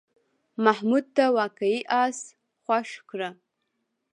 محمود ته واقعي آس خوښ کړه.